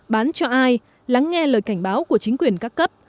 bán cho ai lắng nghe lời cảnh báo của chính quyền các cấp